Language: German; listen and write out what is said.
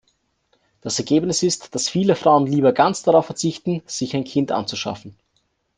Das Ergebnis ist, dass viele Frauen lieber ganz darauf verzichten, sich ein Kind anzuschaffen.